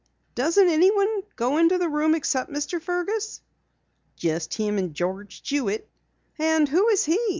"Doesn't anyone go into the room except Mr. Fergus?" "Just him and George Jewitt." "And who is he?